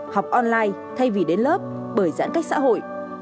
học online thay vì đến lớp bởi giãn cách xã hội